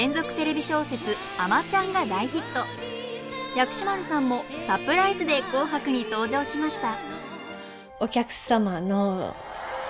薬師丸さんもサプライズで「紅白」に登場しました。